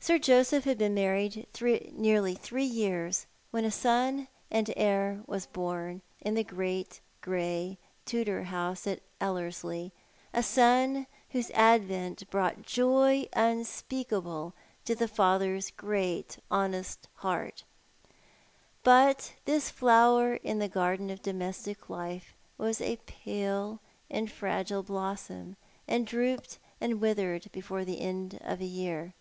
t^j Sir Joseph had been married nearly three years when a son and heir was born in the great grey Tudor house at Ellerslie a son whose advent brought joy unspeakable to the father's great, honest heart; but this flower in the garden of domestic life was a pale and fragile blossom, and drooped and withered before the end of a year.